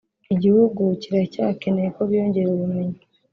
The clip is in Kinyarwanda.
igihugu kiracyakeneye ko biyongera ubumenyi